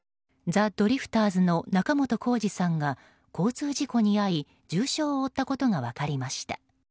ザ・ドリフターズの仲本工事さんが交通事故に遭い重傷を負ったことが分かりました。